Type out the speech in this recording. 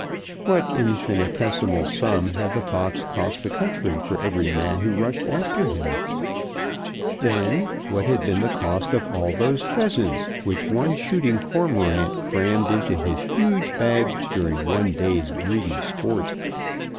What infinitesimal sum had the fox cost the country for every man who rushed after him? Then, what had been the cost of all those pheasants which one shooting cormorant crammed into his huge bag during one day's greedy sport?